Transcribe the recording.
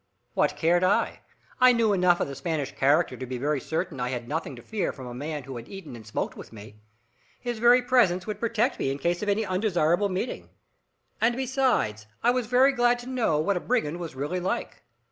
What cared I? I knew enough of the Spanish character to be very certain I had nothing to fear from a man who had eaten and smoked with me. His very presence would protect me in case of any undesirable meeting. And besides, I was very glad to know what a brigand was really like.